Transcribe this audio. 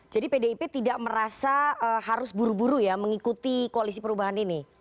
jadi pdip tidak merasa harus buru buru ya mengikuti koalisi perubahan ini